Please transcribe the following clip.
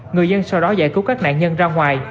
người dân sau đó giải cứu các nạn nhân ra ngoài